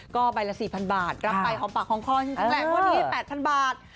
ก็ใบละ๔๐๐๐บาทรับไปหอมปากหอมคอรางวัล๒๘๐๐๐บาท